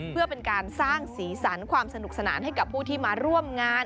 เพื่อเป็นการสร้างสีสันความสนุกสนานให้กับผู้ที่มาร่วมงาน